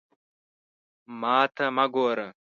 ما ته مه ګوره!